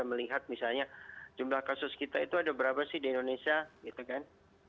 melihat misalnya jumlah kasus kita itu ada berapa sih di indonesia gitu kan